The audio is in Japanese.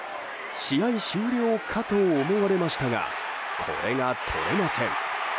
試合終了かと思われましたがこれがとれません。